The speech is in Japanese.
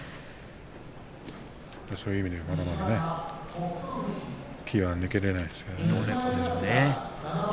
そういう意味ではまだまだ気が抜けないですね。